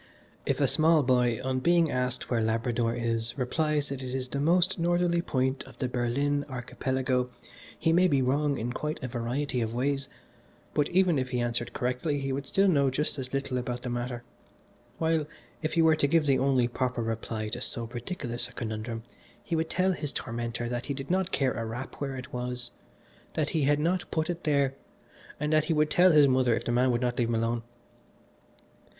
If a small boy, on being asked where Labrador is, replies that it is the most northerly point of the Berlin Archipelago, he may be wrong in quite a variety of ways, but even if he answered correctly he would still know just as little about the matter, while if he were to give the only proper reply to so ridiculous a conundrum, he would tell his tormentor that he did not care a rap where it was, that he had not put it there, and that he would tell his mother if the man did not leave him alone.